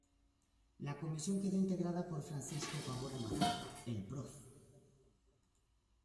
La comisión quedó integrada por Francisco Pavón Amador, el Prof.